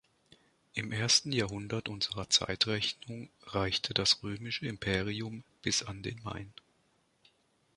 Im ersten Jahrhundert unserer Zeitrechnung reichte das römische Imperium bis an den Main.